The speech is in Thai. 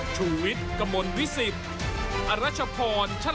ชุวิตตีแสดหน้า